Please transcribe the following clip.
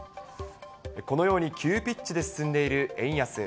このように急ピッチで進んでいる円安。